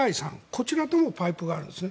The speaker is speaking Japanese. こちらともパイプがあるんです。